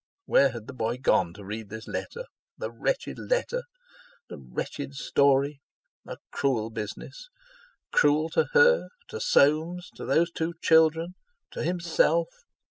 Where had the boy gone to read his letter? The wretched letter—the wretched story! A cruel business—cruel to her—to Soames—to those two children—to himself!...